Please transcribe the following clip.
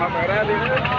jauh jauh jauh